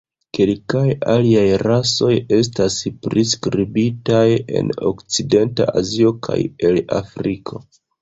Kelkaj aliaj rasoj estas priskribitaj en Okcidenta Azio kaj el Afriko.